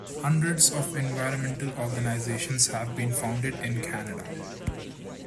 Hundreds of environmental organizations have been founded in Canada.